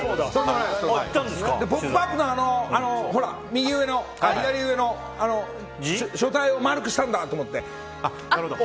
「ポップＵＰ！」の左上の書体を丸くしたんだと思って。